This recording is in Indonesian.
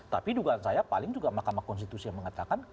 tapi juga saya paling juga makamah konstitusi yang mengatakan